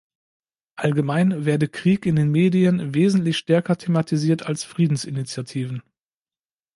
Allgemein werde Krieg in den Medien wesentlich stärker thematisiert als Friedensinitiativen.